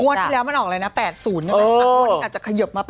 งวดแล้วมันออกเลยนะ๘๐นี่ไหมบางงวดอาจจะขยบมา๘๑